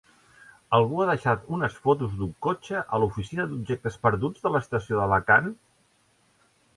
Algú ha deixat unes fotos d'un cotxe a l'oficina d'objectes perduts de l'estació d'Alacant?